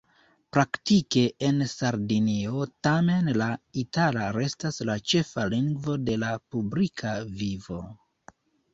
Praktike en Sardinio tamen la itala restas la ĉefa lingvo de la publika vivo.